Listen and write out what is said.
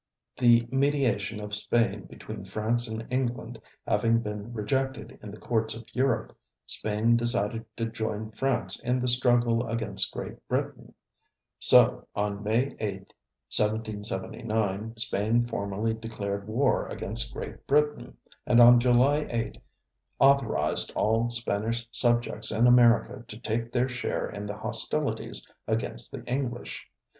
The mediation of Spain between France and England having been rejected in the courts of Europe, Spain decided to join France in the struggle against Great Britain. So on May 8, 1779, Spain formally declared war against Great Britain, and on July 8 authorized all Spanish subjects in America to take their share in the hostilities against the English.